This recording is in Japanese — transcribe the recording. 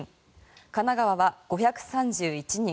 神奈川は５３１人。